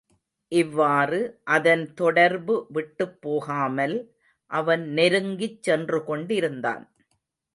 இவ்வாறு அதன் தொடர்பு விட்டுப் போகாமல், அவன் நெருங்கிச் சென்றுகொண்டிருந்தான்.